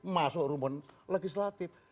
masuk rumpun legislatif